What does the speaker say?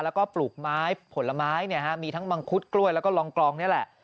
แล้วก็ปลูกไม้ผลไม้มีทั้งมังคุดกล้วยแล้วก็ลองกลองนี่แหละ